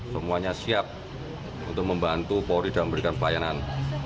semuanya siap untuk membantu polri dan memberikan pelayanan